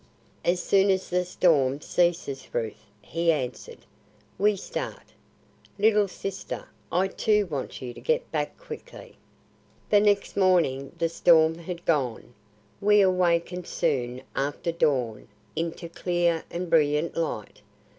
"As soon as the storm ceases, Ruth," he answered, "we start. Little sister I too want you to get back quickly." The next morning the storm had gone. We awakened soon after dawn into clear and brilliant light.